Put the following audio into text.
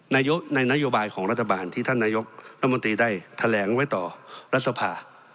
ในนโยบายของรัฐบาลที่ท่านนายกรัฐมนตรีได้แถลงไว้ต่อรัฐสภา